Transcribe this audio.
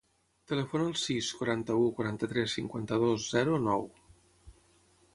Telefona al sis, quaranta-u, quaranta-tres, cinquanta-dos, zero, nou.